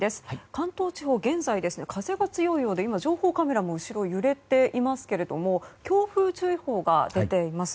関東地方、現在は風が強いようで今、情報カメラも後ろ揺れていますけれども強風注意報が出ています。